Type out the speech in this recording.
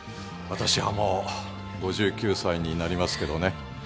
わたしはもう５９歳になりますけどね。